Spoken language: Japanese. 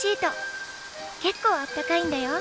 結構あったかいんだよ。